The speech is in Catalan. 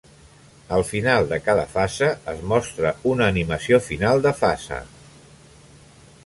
Al final de cada fase es mostra una "animació de final de fase".